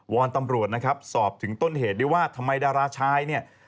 อนตำรวจนะครับสอบถึงต้นเหตุด้วยว่าทำไมดาราชายเนี่ย